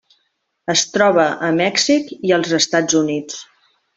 Es troba a Mèxic i als Estats Units.